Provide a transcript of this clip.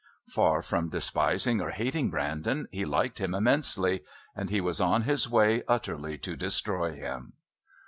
Far from despising or hating Brandon, he liked him immensely and he was on his way utterly to destroy him.